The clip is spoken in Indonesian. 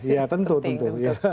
media ya tentu tentu